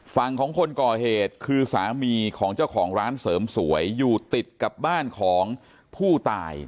ฝั่งของคนก่อเหตุคือสามีของเจ้าของร้านเสริมสวยอยู่ติดกับบ้านของผู้ตาย